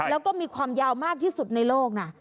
แล้วก็มีความยาวมากที่สุดในโลกนะ